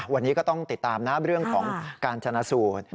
วันนี้ก็ต้องติดตามนะเรื่องของการชนะสูตร